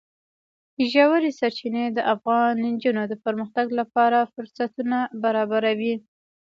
ژورې سرچینې د افغان نجونو د پرمختګ لپاره فرصتونه برابروي.